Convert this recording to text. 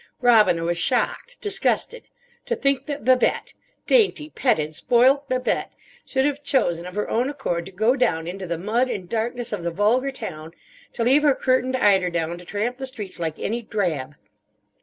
Robina was shocked, disgusted. To think that Babette—dainty, petted, spoilt Babette—should have chosen of her own accord to go down into the mud and darkness of the vulgar town; to leave her curtained eiderdown to tramp the streets like any drab!